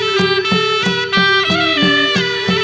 โปรดติดตามต่อไป